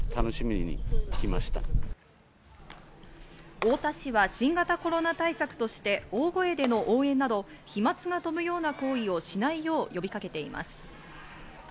太田市は新型コロナ対策として、大声での応援など飛沫が飛ぶような行為をしないよう呼びかけています。